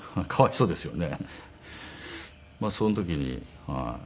そうですよね。